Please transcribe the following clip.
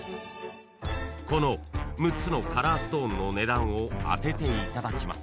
［この６つのカラーストーンの値段を当てていただきます］